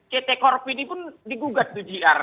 pt korp ini pun digugat tuh gr